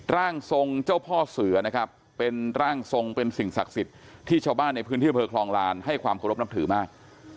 ร่างทรงเจ้าพ่อเสือนะครับเป็นร่างทรงเป็นสิ่งศักดิ์สิทธิ์ที่ชาวบ้านในพื้นที่อำเภอคลองลานให้ความเคารพนับถือมาก